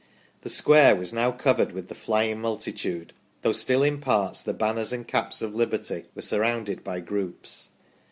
The square was now covered with the flying multitude, though still in parts the banners and caps of liberty were surrounded by groups."